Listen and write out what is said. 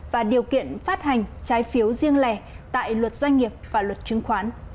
và điều kiện phát hành trái phiếu riêng lẻ tại luật doanh nghiệp và luật chứng khoán